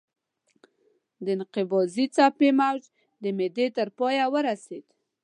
د انقباضي څپه موج د معدې تر پایه ورسېده.